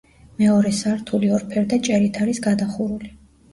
მეორე სართული ორფერდა ჭერით არის გადახურული.